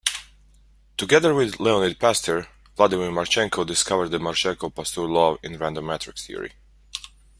Together with Leonid Pastur, Vladimir Marchenko discovered the Marchenko-Pastur law in random matrix theory.